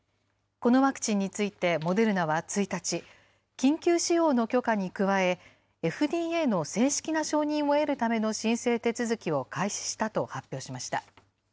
このワクチンについて、モデルナは１日、緊急使用の許可に加え、ＦＤＡの正式な承認を得るための申請手続きを開始したと発表しました。